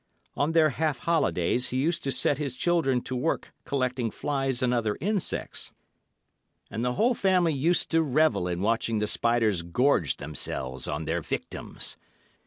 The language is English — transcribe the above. On their half holidays he used to set his children to work collecting flies and other insects, and the whole family used to revel in watching the spiders gorge themselves on their victims.